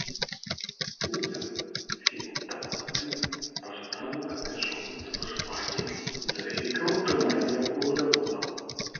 Людзям, схільным да паўнаты, пажадана абмяжоўваць спажыванне з-за вялікага ўтрымання вугляводаў.